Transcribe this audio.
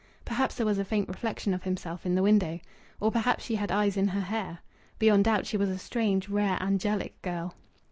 Perhaps there was a faint reflection of himself in the window. Or perhaps she had eyes in her hair. Beyond doubt she was a strange, rare, angelic girl.